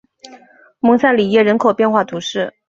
蒙塞里耶人口变化图示